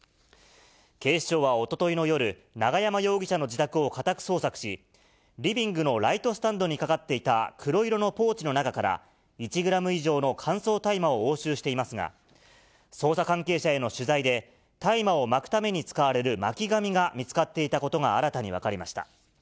警視庁はおとといの夜、永山容疑者の自宅を家宅捜索し、リビングのライトスタンドにかかっていた黒色のポーチの中から、１グラム以上の乾燥大麻を押収していますが、捜査関係者への取材で、大麻を巻くために使われる巻紙が見つかっていたことが新たに分かりました。